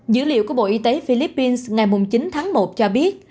dữ liệu của bộ y tế philippines ngày chín tháng một cho biết